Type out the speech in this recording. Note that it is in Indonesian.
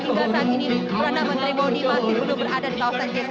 hingga saat ini perdana menteri bodi masih belum berada di kawasan jpo